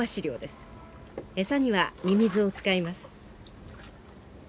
餌にはミミズを使います。